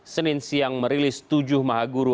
senin siang merilis tujuh maha guru